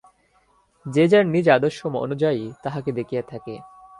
যে যার নিজ আদর্শ অনুযায়ী তাঁহাকে দেখিয়া থাকে।